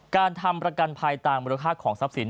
การทำประกันภัยตามมูลค่าของทรัพย์สิน